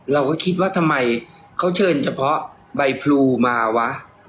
เราก็คิดว่าทำไมเขาเชิญเฉพาะใบพลูมาวะ